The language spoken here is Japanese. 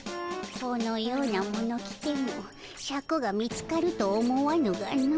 このようなもの着てもシャクが見つかると思わぬがの。